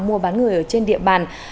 mua bán người trên địa bàn